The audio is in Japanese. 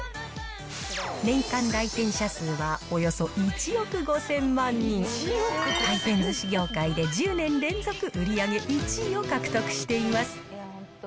年間来店者数はおよそ１億５０００万人、回転ずし業界で１０年連続売り上げ１位を獲得しています。